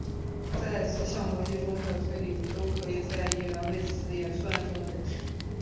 在词项逻辑中的推理都可以在一元谓词演算中表示。